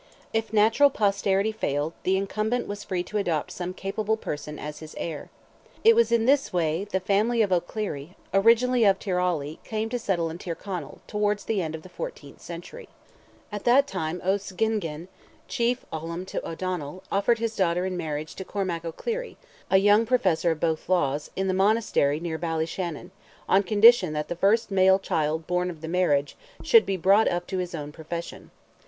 If natural posterity failed, the incumbent was free to adopt some capable person as his heir. It was in this way the family of O'Clery, originally of Tyrawley, came to settle in Tyrconnell, towards the end of the fourteenth century. At that time O'Sgingin, chief Ollam to O'Donnell, offered his daughter in marriage to Cormac O'Clery, a young professor of both laws, in the monastery near Ballyshannon, on condition that the first male child born of the marriage should be brought up to his own profession.